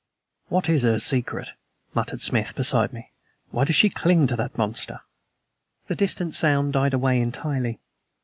"What is her secret?" muttered Smith, beside me. "Why does she cling to that monster?" The distant sound died away entirely.